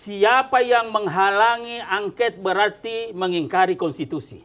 siapa yang menghalangi angket berarti mengingkari konstitusi